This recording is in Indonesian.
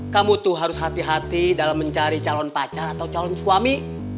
kamu tuh harus hati hati dalam mencari calon pacar atau calon suami